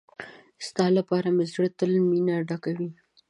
ستا لپاره مې زړه تل مينه ډک وي.